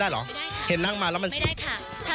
พี่จะมาพอนต่อนะคะ